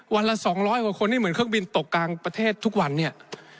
ละ๒๐๐กว่าคนที่เหมือนเครื่องบินตกกลางประเทศทุกวันเนี่ย